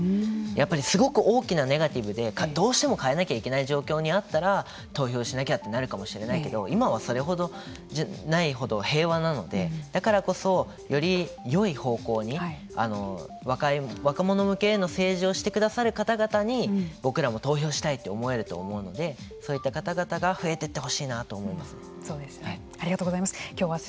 やっぱりすごく大きなネガティブでどうしても変えなきゃいけない状況にあったら投票しなきゃってなるかもしれないけど今はそれほどじゃないほど平和なのでだからこそ、よりよい方向に若者向けへの政治をしてくださる方々に僕らも投票したいと思えると思うのでそういった方々が増えていってほしいと思います。